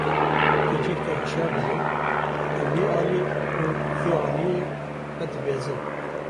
Di cih de hişyar dibin, bi wî alî û vî aliyî ve dibezin.